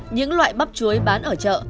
những loại bắp chuối bán ở chợ